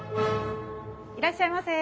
いらっしゃいませ。